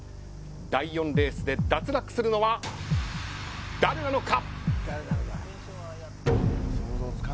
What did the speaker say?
第４レースで脱落するのは誰なのか。